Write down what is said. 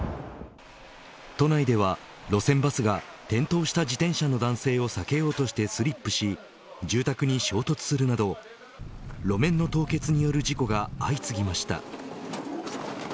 都内では路線バスが転倒した自転車の男性を避けようとしてスリップし住宅に衝突するなど路面の凍結による事故が相次ぎました。